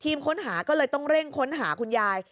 ค้นหาก็เลยต้องเร่งค้นหาคุณยาย